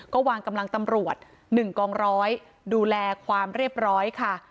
ก็วางกำลังตำรวจ๑กองร้อยดูแลความเรียบร้อยค่ะ